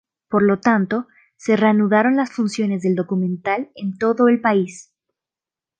Por lo tanto, se reanudaron las funciones del documental en todo el país.